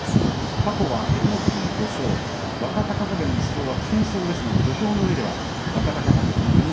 過去は照ノ富士の５勝若隆景１勝は不戦勝ですので土俵の上では若隆景照ノ